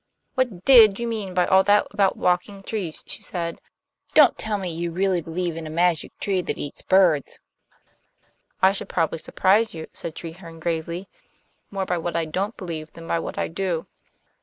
"What DID you mean by all that about walking trees?" she asked. "Don't tell me you really believe in a magic tree that eats birds!" "I should probably surprise you," said Treherne gravely, "more by what I don't believe than by what I do."